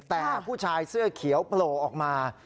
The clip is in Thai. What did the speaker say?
แต่ผู้ชายเสื้อเขียวโผล่ออกมา